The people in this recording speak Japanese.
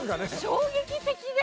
衝撃的で。